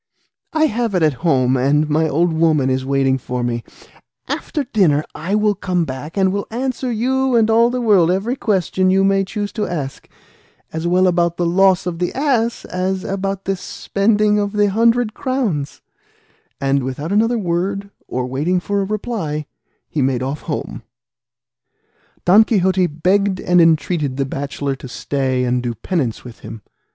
I have it at home, and my old woman is waiting for me; after dinner I'll come back, and will answer you and all the world every question you may choose to ask, as well about the loss of the ass as about the spending of the hundred crowns;" and without another word or waiting for a reply he made off home. Don Quixote begged and entreated the bachelor to stay and do penance with him.